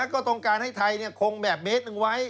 ก็ต้องการให้ไทยคงแบบเมตรหนึ่งไว้